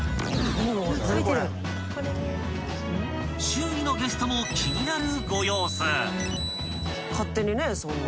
［周囲のゲストも気になるご様子］